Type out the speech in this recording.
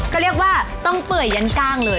ก็เรียกว่าต้องเปื่อยยันกล้างเลย